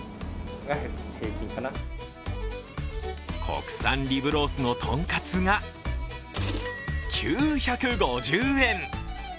国産リブロースのとんかつが９５０円！